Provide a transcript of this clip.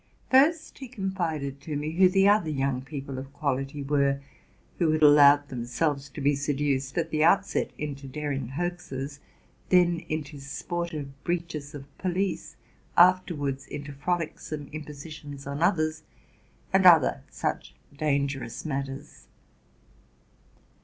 First he confided to me who the other young people of quality were who had allowed themselves to be seduced, at the outset, into daring hoaxes, then into sportive breaches of police, after wards into frolicsome impositions on others, and other such dangerous matters.